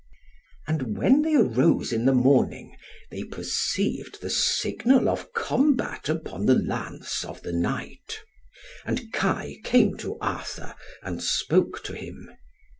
And when they arose in the morning, they perceived the signal of combat upon the lance of the Knight; and Kai came to Arthur, and spoke to him.